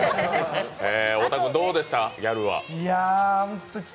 太田君、どうですか、ギャルは？